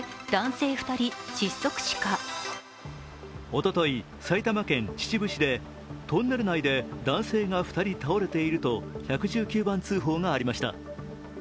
おととい、埼玉県秩父市でトンネル内で男性が２人倒れていると１１９番通報がありました。